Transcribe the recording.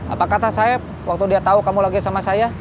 apa kata saya waktu dia tahu kamu lagi sama saya